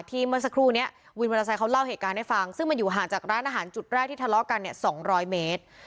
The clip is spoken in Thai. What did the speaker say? เมื่อสักครู่นี้วินมอเตอร์ไซค์เขาเล่าเหตุการณ์ให้ฟังซึ่งมันอยู่ห่างจากร้านอาหารจุดแรกที่ทะเลาะกันเนี่ย๒๐๐เมตร